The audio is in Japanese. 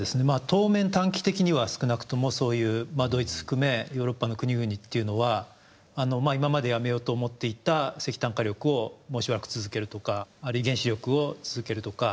当面短期的には少なくともそういうドイツ含めヨーロッパの国々っていうのは今までやめようと思っていた石炭火力をもうしばらく続けるとか原子力を続けるとか。